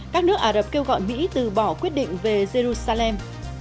các nước ả rập kêu gọi mỹ từ bỏ quyết định về jerusalem